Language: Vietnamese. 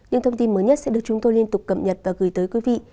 những thông tin mới nhất sẽ được chúng tôi liên tục cập nhật và gửi tới quý vị